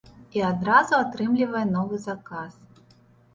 І адразу атрымлівае новы заказ.